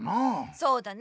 そうだね！